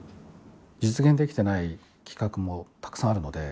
実現できていない企画もたくさんあるので。